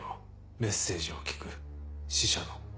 メッセージを聞く死者の。